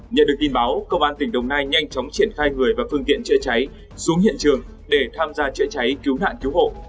nhận được tin báo công an tỉnh đồng nai nhanh chóng triển khai người và phương tiện chữa cháy xuống hiện trường để tham gia chữa cháy cứu nạn cứu hộ